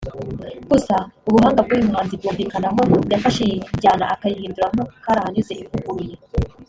Gusa ubuhanga bw’uyu muhanzi bwumvikana aho yafashe iyi njyana akayihinduramo karahanyuze ivuguruye